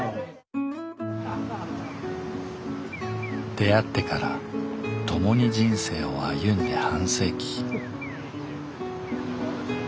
出会ってからともに人生を歩んで半世紀。